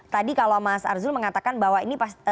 tadi kalau mas arzul mengatakan bahwa ini